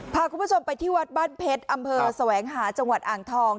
พาคุณผู้ชมไปที่วัดบ้านเพชรอำเภอแสวงหาจังหวัดอ่างทอง